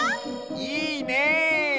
いいね！